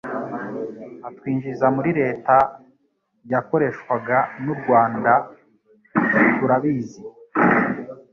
atwinjiza muri leta yakoreshwaga n'u Rwanda turabizi,